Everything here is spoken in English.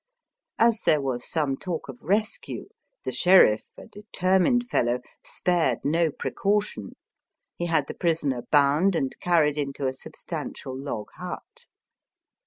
As there was some talk of rescue, the sheriff, a determined fellow, spared no precaution. He had the prisoner bound and carried into a substantial log hut.